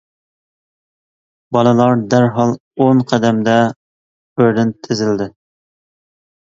بالىلار دەرھال ئون قەدەمدە بىردىن تىزىلدى.